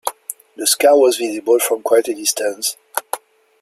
The scar was visible from quite a distance.